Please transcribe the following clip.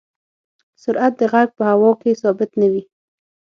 سرعت د غږ په هوا کې ثابت نه وي.